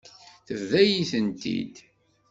Tebḍa-yi-tent-id.